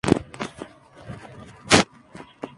Estos hechos se recogen en la "Historia Roderici".